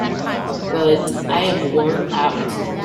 But I am worn out.